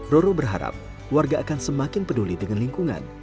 roro berharap warga akan semakin peduli dengan lingkungan